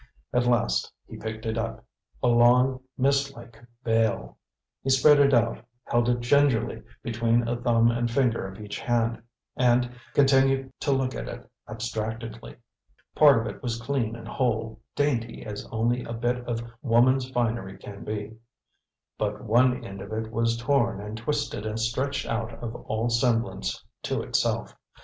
At last he picked it up a long, mist like veil. He spread it out, held it gingerly between a thumb and finger of each hand, and continued to look at it abstractedly. Part of it was clean and whole, dainty as only a bit of woman's finery can be; but one end of it was torn and twisted and stretched out of all semblance to itself.